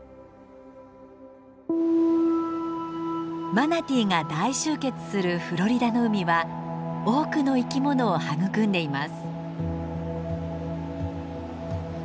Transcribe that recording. マナティーが大集結するフロリダの海は多くの生き物を育んでいます。